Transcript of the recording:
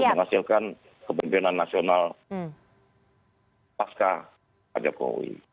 untuk menghasilkan kebenaran nasional pasca pak jokowi